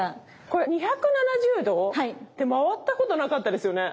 これ２７０度って回ったことなかったですよね。